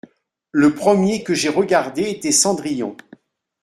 Le premier que j’ai regardé était Cendrillon.